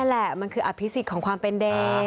แหละมันคืออภิษฎของความเป็นเด็ก